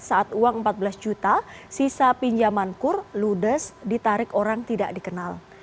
saat uang empat belas juta sisa pinjaman kur ludes ditarik orang tidak dikenal